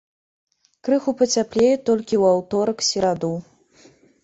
Крыху пацяплее толькі ў аўторак-сераду.